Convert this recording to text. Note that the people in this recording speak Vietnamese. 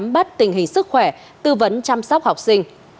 bắt tình hình sức khỏe tư vấn chăm sóc học sinh